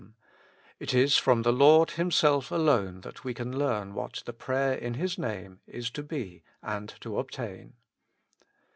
dom ; it is from the Lord Himself alone that we can learn what the prayer in His Name is to be and to obtain.